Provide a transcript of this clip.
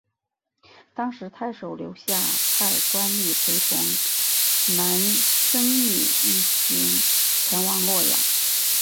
当时太守刘夏派官吏陪同难升米一行前往洛阳。